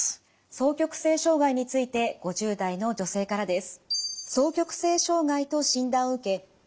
双極性障害について５０代の女性からです。